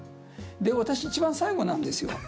で、私、一番最後なんですよ。